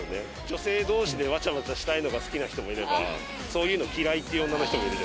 女性同士でワチャワチャしたいのが好きな人もいればそういうの嫌いっていう女の人もいる。